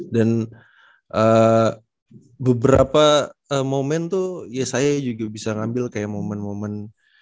dan beberapa momen tuh yesaya juga bisa ngambil kayak momen momen